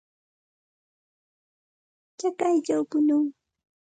Chakayćhaw punuu.